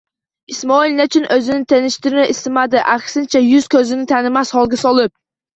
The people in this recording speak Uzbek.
Ismoil nechun o'zini tanitishni istamadi, aksincha, yuz-ko'zini tanimas holga solib